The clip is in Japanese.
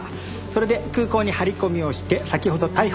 それで空港に張り込みをして先ほど逮捕。